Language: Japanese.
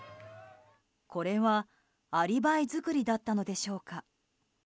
これは、アリバイ作りだったのでしょうか。